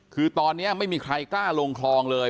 คือตอนนี้ไม่มีใครกล้าลงคลองเลย